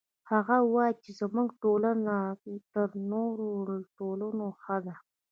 هغه وایي چې زموږ ټولنه تر نورو ټولنو ښه ده